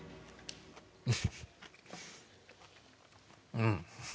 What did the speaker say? うん。